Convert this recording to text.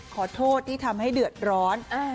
ขอโทษที่ทำให้เดือดร้อน